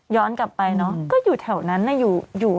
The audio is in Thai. ย้อนกลับไปเนอะก็อยู่แถวนั้นนะอยู่